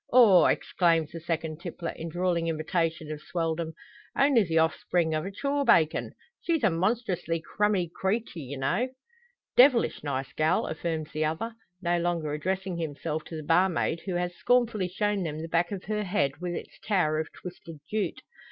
"Aw!" exclaims the second tippler, in drawling imitation of Swelldom, "only the offspring of a chaw bacon! she's a monstrously crummy creetya, anyhow." "Devilish nice gal!" affirms the other, no longer addressing himself to the barmaid, who has scornfully shown them the back of her head, with its tower of twisted jute.